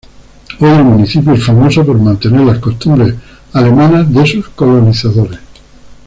Hoy, el municipio es famoso por mantener las costumbres alemanas de sus colonizadores.